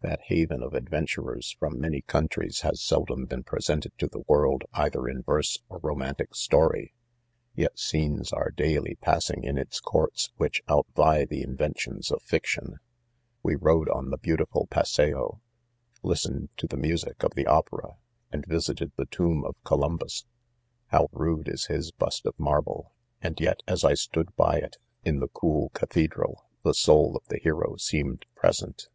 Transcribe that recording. That haven of adventurers from many countries has seldom been presented to the world, either in verse or romantic story ; yet. scenes are daily passing in its courts, which outvie the inven tions of fiction. ' We rode on the beautiful paseo ; listened to the music of the opera ; and visited the tomb 'of Columbus. How rude is his bust of marble ; and yet as I stood by it, in the cool cathedral, the soul of the hero seemed present.